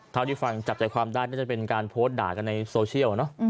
เท่าที่ฟังจับใจความได้น่าจะเป็นการโพสต์ด่ากันในโซเชียล